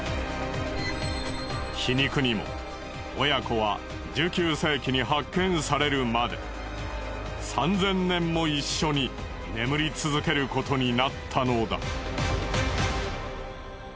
皮肉にも親子は１９世紀に発見されるまで３０００年も一緒に眠り続けることになったのだ。